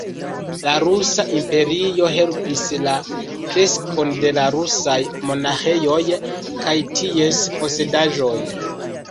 La rusa imperio helpis la kreskon de la rusaj monaĥejoj kaj ties posedaĵoj.